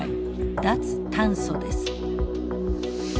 脱炭素です。